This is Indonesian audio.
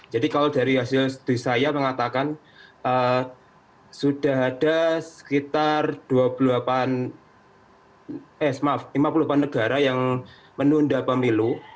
jadi kalau dari hasil studi saya mengatakan sudah ada sekitar lima puluh delapan negara yang menunda pemilu